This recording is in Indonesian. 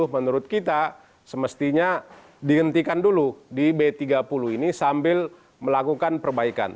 menurut kita semestinya dihentikan dulu di b tiga puluh ini sambil melakukan perbaikan